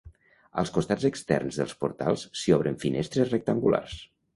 Als costats externs dels portals s'hi obren finestres rectangulars.